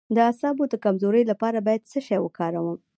د اعصابو د کمزوری لپاره باید څه شی وکاروم؟